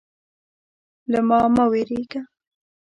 _له ما مه وېرېږه.